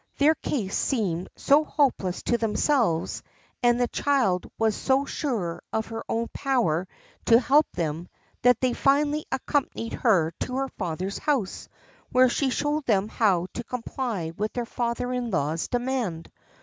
Their case seemed so hopeless to themselves, and the child was so sure of her own power to help them, that they finally accompanied her to her father's house, where she showed them how to comply with their father in law's demand.